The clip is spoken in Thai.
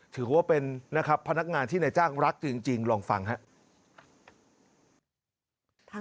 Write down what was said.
ถือว่าเป็นนะครับพนักงานที่นายจ้างรักจริงลองฟังครับ